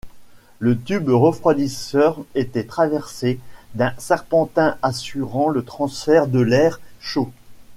Le tube refroidisseur était traversé d'un serpentin assurant le transfert de l'air chaud.